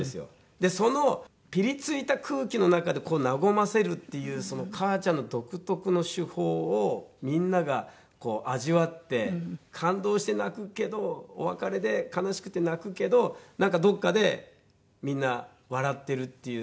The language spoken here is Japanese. でそのピリついた空気の中で和ませるっていう母ちゃんの独特の手法をみんなが味わって感動して泣くけどお別れで悲しくて泣くけどなんかどこかでみんな笑ってるっていう。